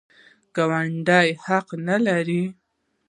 ګاونډي حقونه لري